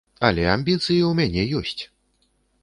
Але амбіцыі ў мяне ёсць.